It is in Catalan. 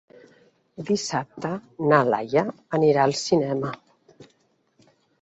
Dissabte na Laia anirà al cinema.